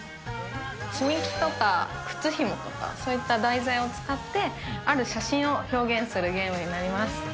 積み木とか靴ひもとか、そういった題材を使って、ある写真を表現するゲームになります。